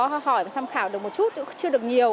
hỏi và tham khảo được một chút cũng chưa được nhiều